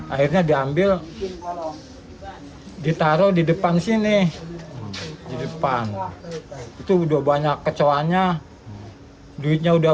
akhirnya diambil yang kalau ditaruh di depan sini di depan itu udah banyak kecohannya duitnya